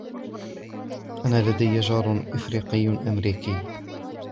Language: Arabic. أنا لدي جار أفريقي-أمريكي.